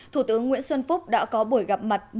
thủ tướng nguyễn xuân phúc đã có buổi gặp mặt